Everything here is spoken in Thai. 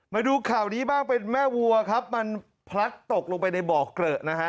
มาดูข่าวนี้บ้างเป็นแม่วัวครับมันพลัดตกลงไปในบ่อเกลอะนะฮะ